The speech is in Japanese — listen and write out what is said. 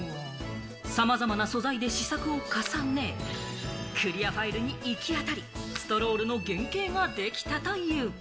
さまざまな素材で試作を重ね、クリアファイルに行き当たり、「ストロール」の原型ができたという。